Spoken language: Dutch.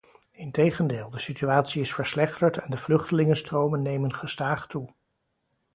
Integendeel, de situatie is verslechterd en de vluchtelingenstromen nemen gestaag toe.